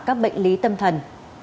các bệnh lý tâm thần